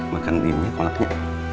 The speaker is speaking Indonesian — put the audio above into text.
makan ini kolatnya